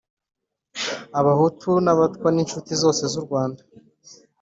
abahutu n'abatwa, n'inshuti zose z'u rwanda